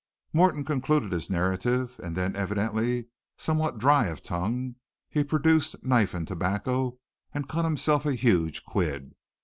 Morton concluded his narrative, and then evidently somewhat dry of tongue, he produced knife and tobacco and cut himself a huge quid.